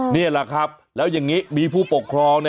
นี่แหละครับแล้วอย่างนี้มีผู้ปกครอง